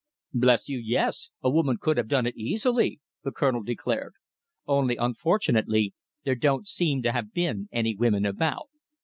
"Bless you, yes! a woman could have done it easily," the Colonel declared, "only unfortunately there don't seem to have been any women about.